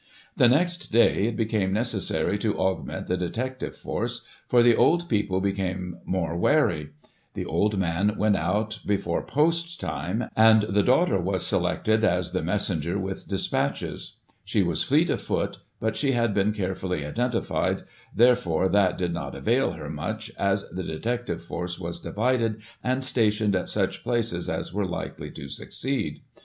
The next day, it became necessary to augment the detective force, for the old people became more wary ; the old man went out before post time, and the daughter was selected as the messenger with despatches ; she was fleet of foot, but she had been carefully identified, therefore that did not avail her much, as the detective force was divided, and stationed at such places as were likely to succeed.